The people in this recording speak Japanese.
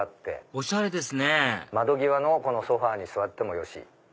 おしゃれですね窓際のこのソファに座ってもよし。